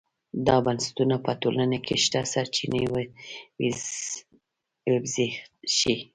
دا بنسټونه په ټولنه کې شته سرچینې وزبېښي.